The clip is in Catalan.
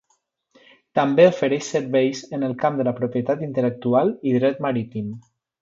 També ofereix serveis en el camp de la propietat intel·lectual i dret marítim.